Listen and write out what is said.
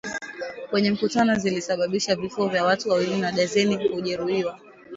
kwenye mkutano zilisababisha vifo vya watu wawili na dazeni kujeruhiwa